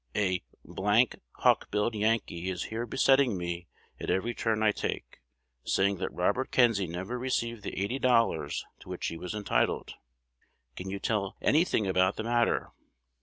A d d hawk billed Yankee is here besetting me at every turn I take, saying that Robert Kenzie never received the eighty dollars to which he was entitled. Can you tell any thing about the matter?